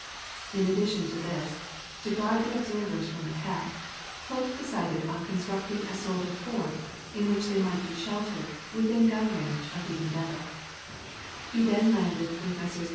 In addition to this, to guard the observers from attack, Cook decided on constructing a sort of fort, in which they might be sheltered within gun range of the Endeavour. He then landed with Messrs.